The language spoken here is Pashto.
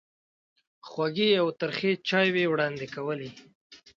خوږې او ترخې چایوې وړاندې کولې.